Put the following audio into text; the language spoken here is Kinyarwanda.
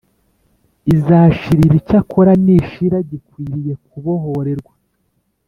izashirira icyakora nishira gikwiriye kubohorerwa